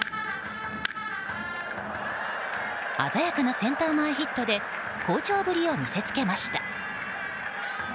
鮮やかなセンター前ヒットで好調ぶりを見せつけました。